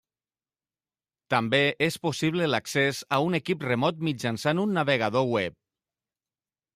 També és possible l'accés a un equip remot mitjançant un navegador web.